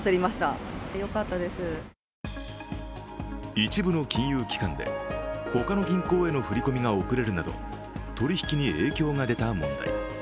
一部の金融機関で他の銀行への振り込みが遅れるなど、取引に影響が出た問題。